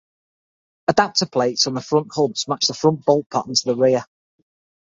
Adapter plates on the front hubs match the front bolt pattern to the rear.